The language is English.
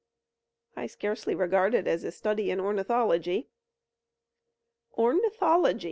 "I scarcely regard it as a study in ornithology." "Ornithology?